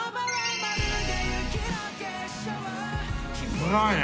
うまいね。